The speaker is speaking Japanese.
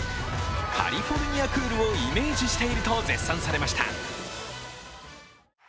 カリフォルニア・クールをイメージしていると絶賛されました。